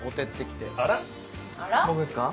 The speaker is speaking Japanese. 僕ですか？